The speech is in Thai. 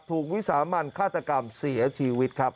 วิสามันฆาตกรรมเสียชีวิตครับ